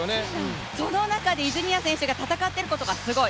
その中で泉谷選手が戦っていることがすごい。